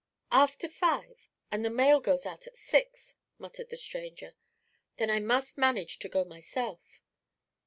"After five, and the mail goes out at six," muttered the stranger. "Then I must manage to go myself."